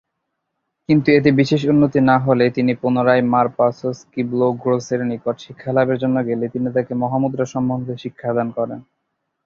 কিন্তু এতে বিশেষ উন্নতি না হলে তিনি পুনরায় মার-পা-ছোস-ক্যি-ব্লো-গ্রোসের নিকট শিক্ষালাভের জন্য গেলে তিনি তাকে মহামুদ্রা সম্বন্ধে শিক্ষাদান করেন।